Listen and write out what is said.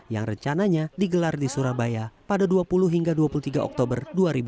yang rencananya digelar di surabaya pada dua puluh hingga dua puluh tiga oktober dua ribu dua puluh